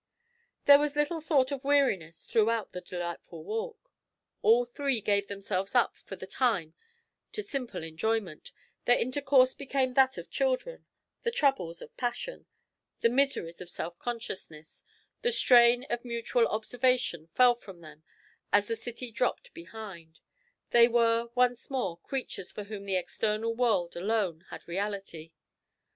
There was little thought of weariness throughout the delightful walk. All three gave themselves up for the time to simple enjoyment; their intercourse became that of children; the troubles of passion, the miseries of self consciousness, the strain of mutual observation fell from them as the city dropped behind; they were once more creatures for whom the external world alone had reality.